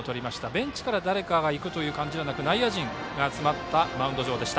ベンチから誰かが行く感じはなく内野陣が集まったマウンド上。